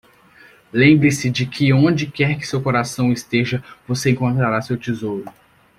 Lembre-se de que onde quer que seu coração esteja, você encontrará seu tesouro.